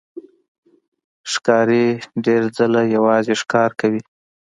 ښکاري ډېر ځله یوازې ښکار کوي.